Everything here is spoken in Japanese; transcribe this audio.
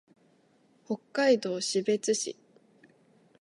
北海道士別市